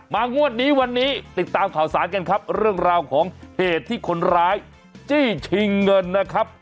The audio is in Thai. งวดนี้วันนี้ติดตามข่าวสารกันครับเรื่องราวของเหตุที่คนร้ายจี้ชิงเงินนะครับ